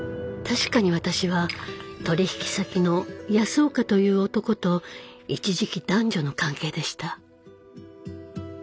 確かに私は取引先の安岡という男と一時期男女の関係でした。